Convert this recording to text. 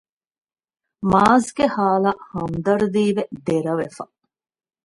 މާޒްގެ ހާލަށް ހަމްދަރުދީވެ ދެރަވެފަ